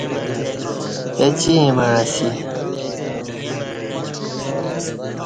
اچی ییں مع اسی۔